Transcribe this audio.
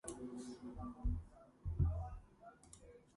სამშობლოში დაბრუნებულ ორლეანელს კიდევ ერთი ცუდი ამბავი დახვდა.